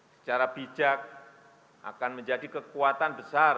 secara bijak akan menjadi kekuatan besar